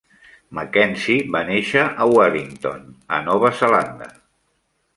McKenzie va néixer a Wellington, a Nova Zelanda.